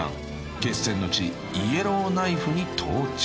［決戦の地イエローナイフに到着］